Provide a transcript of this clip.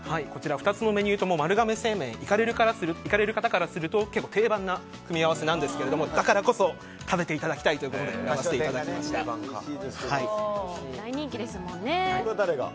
２つのメニューとも丸亀製麺に行かれる方からすると結構定番な組み合わせですがだからこそ食べていただきたいということで大人気ですもんね。